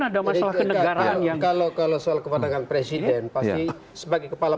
ada masalah kenegaraan yang kalau kalau soal kepentingan presiden pasti sebagai kepala